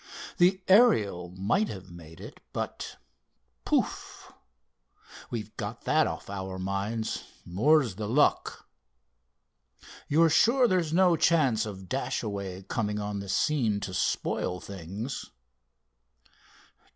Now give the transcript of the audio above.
The Ariel might have made it, but—pouf! We've got that off our minds, more's the luck! You're sure there's no chance of Dashaway coming on the scene to spoil things?"